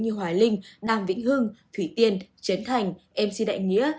như hoài linh đàm vĩnh hưng thủy tiên trấn thành mc đại nghĩa